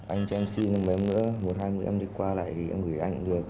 anh cho em xin mấy nữa một hai mươi em đi qua lại thì em gửi anh được